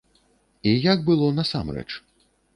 І як было насамрэч?